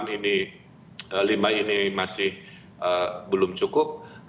ini lima ini masih belum cukup